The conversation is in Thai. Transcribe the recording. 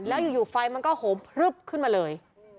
แล้วอยู่ไฟมันก็โหมพลึบขึ้นมาเลย